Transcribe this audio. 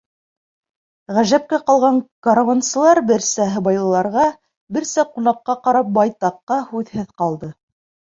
Ғәжәпкә ҡалған каруансылар, берсә һыбайлыларға, берсә ҡунаҡҡа ҡарап, байтаҡҡа һүҙһеҙ ҡалды.